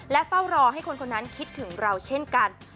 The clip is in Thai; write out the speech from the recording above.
และเฝ้ารอให้คนคนนั้นคิดถึงเราเช่นกัน